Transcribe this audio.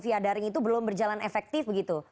via daring itu belum berjalan efektif begitu